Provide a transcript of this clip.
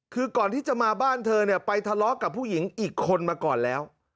คือก่อนที่จะมาบ้านเธอเนี่ยไปทะเลาะกับผู้หญิงอีกคนมาก่อนแล้ว